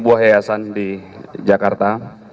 buah heasan di jakarta